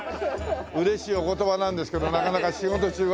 嬉しいお言葉なんですけどなかなか仕事中はね。